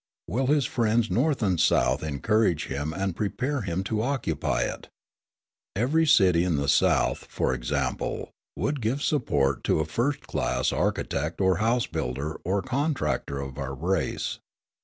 Will his friends North and South encourage him and prepare him to occupy it? Every city in the South, for example, would give support to a first class architect or house builder or contractor of our race.